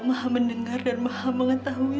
maha mendengar dan maha mengetahui